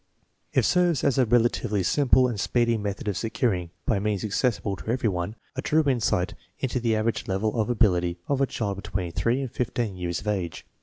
1 It serves as a relatively simple and speedy method of securing, by means accessible to every one, a true insight into the average level of ability of a child between 3 and lo years of age.